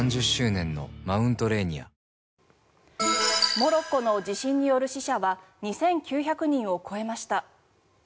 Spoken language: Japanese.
モロッコの地震による死者は２９００人を超えました。